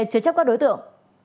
chứa chấp các đối tượng